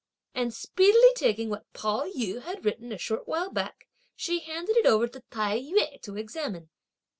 and speedily taking what Pao yü had written a short while back, she handed it over to Tai yü to examine.